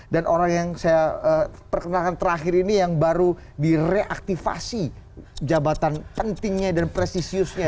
dan orang yang saya perkenalkan terakhir ini yang baru direaktivasi jabatan pentingnya dan presisiusnya